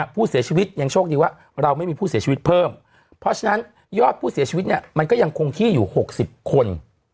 ผู้เสียชีวิตยังโชคดีว่าเราไม่มีผู้เสียชีวิตเพิ่มเพราะฉะนั้นยอดผู้เสียชีวิตเนี่ยมันก็ยังคงที่อยู่๖๐คน